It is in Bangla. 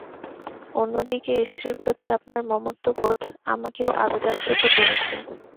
অন্যদিকে, স্ত্রীর প্রতি আপনার মমত্ববোধ, আমাকেও আবেগাপ্লুত করেছে।